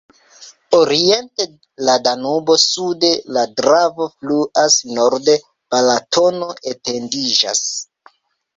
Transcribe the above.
Oriente la Danubo, sude la Dravo fluas, norde Balatono etendiĝas.